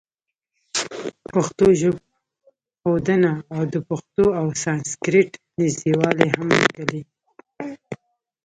پښتو ژبښودنه او د پښتو او سانسکریټ نزدېوالی هم لیکلي.